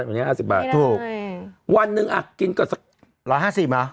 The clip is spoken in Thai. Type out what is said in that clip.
เหมือนงี้ห้าสิบบาทไม่ได้ค่ะวันหนึ่งอ่ะกินก่อนสักร้อยห้าสิบเหรอ